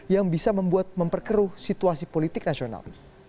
yang bisa membuat memperkeruh situasi politik nasional